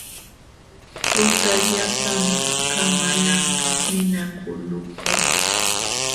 Tutallapam kamalan ninakulukaq.